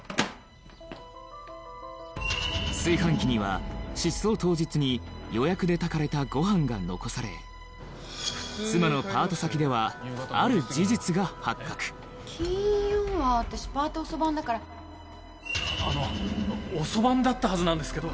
炊飯器には失踪当日に予約で炊かれたご飯が残され金曜は私パート遅番だからあの遅番だったはずなんですけど。